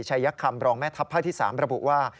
ยักคำรองแม่ทัพภาคที่๓ระบุว่า